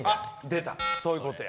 出たそういうことや。